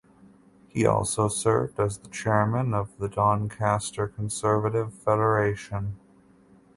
He also served as the chairman of the Doncaster Conservative Federation.